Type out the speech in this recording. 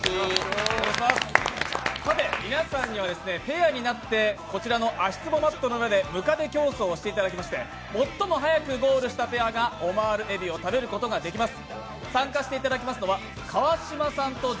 さて、皆さんにはペアになって、こちらの足つぼマットの上でムカデ競走をしていただきまして最も速くゴールしたペアがオマール海老を食べることができます！